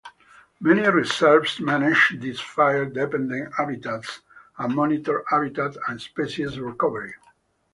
Many reserves manage these fire dependent habitats and monitor habitat and species recovery.